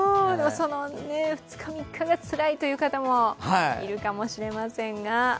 その２日、３日がつらいという方もいるかもしれませんが。